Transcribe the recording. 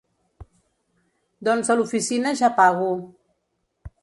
Doncs a l'oficina ja pago.